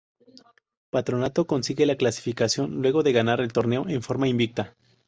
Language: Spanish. Patronato consigue la clasificación luego de ganar el torneo en forma invicta.